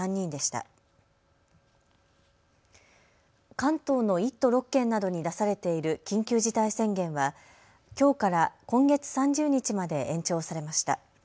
関東の１都６県などに出されている緊急事態宣言はきょうから今月３０日まで延長されました。